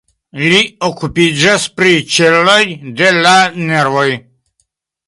Li okupiĝas pri ĉeloj de la nervoj.